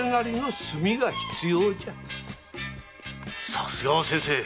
さすがは先生！